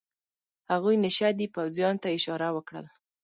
هغوی نشه دي، پوځیانو ته یې اشاره وکړل.